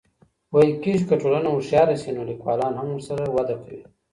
ويل کېږي چي که ټولنه هوښياره سي نو ليکوالان هم ورسره وده کوي.